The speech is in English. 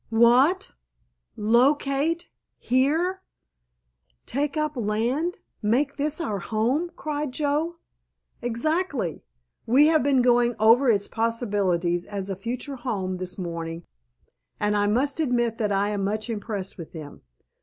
"What, locate here? Take up land—make this our home?" cried Joe. "Exactly. We have been going over its possibilities as a future home this morning, and I must admit that I am much impressed with them.